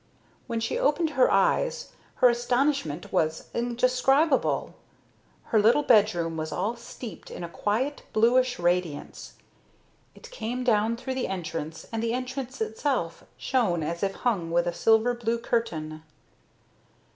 When she opened her eyes, her astonishment was indescribable: her little bedroom was all steeped in a quiet bluish radiance. It came down through the entrance, and the entrance itself shone as if hung with a silver blue curtain.